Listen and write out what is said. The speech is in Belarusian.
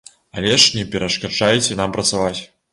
Але ж не перашкаджайце нам працаваць.